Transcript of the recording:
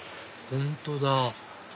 本当だ